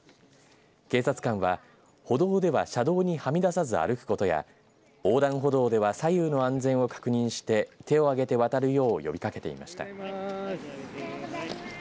警察官は歩道では車道にはみ出さず歩くことや横断歩道では左右の安全を確認して手を上げて渡るよう呼びかけていました。